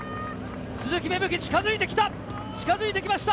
鈴木芽吹、近づいてきました。